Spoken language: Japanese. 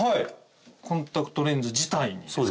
コンタクトレンズ自体にですか？